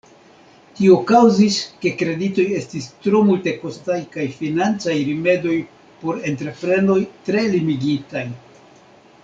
Tio kaŭzis, ke kreditoj estis tro multekostaj kaj financaj rimedoj por entreprenoj tre limigitaj.